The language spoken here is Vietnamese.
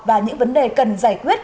và những vấn đề cần giải quyết